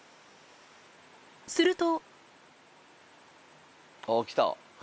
すると。